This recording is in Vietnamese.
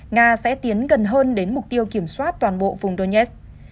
nga sẽ tiến gần hơn đến mục tiêu kiểm soát toàn bộ vùng donets